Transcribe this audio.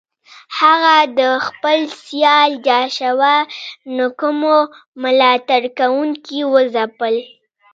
هغه د خپل سیال جاشوا نکومو ملاتړ کوونکي وځپل.